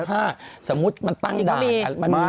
ถ้าสมมติมันตั้งด่านมันมี